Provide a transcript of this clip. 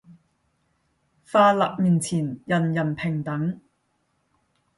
法律面前人人平等